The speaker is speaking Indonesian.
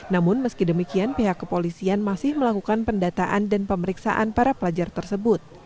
namun meski demikian pihak kepolisian masih melakukan pendataan dan pemeriksaan para pelajar tersebut